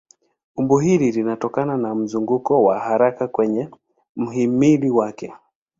Umbo hili linatokana na mzunguko wa haraka kwenye mhimili wake.